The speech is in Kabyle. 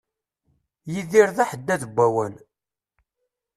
Yidir d aḥeddad n wawal.